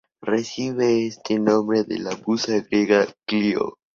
Recibe este nombre de la musa griega Clío.